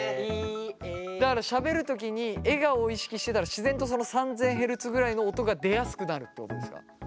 だからしゃべる時に笑顔を意識してたら自然とその３，０００ヘルツぐらいの音が出やすくなるってことですか？